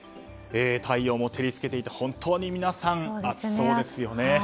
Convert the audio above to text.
太陽も照りつけていて本当に皆さん、暑そうですね。